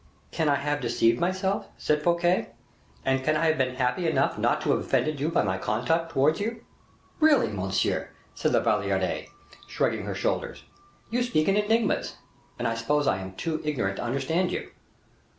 "Can I have deceived myself," said Fouquet; "and can I have been happy enough not to have offended you by my conduct towards you?" "Really, monsieur," said La Valliere, shrugging her shoulders, "you speak in enigmas, and I suppose I am too ignorant to understand you."